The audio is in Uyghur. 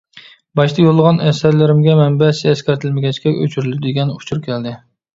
باشتا يوللىغان ئەسەرلىرىمگە «مەنبەسى ئەسكەرتىلمىگەچكە ئۆچۈرۈلدى» دېگەن ئۇچۇر كەلدى.